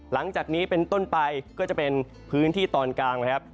หลังจากนี้เป็นต้นไปจะเป็นพื้นที่ตอนกลาง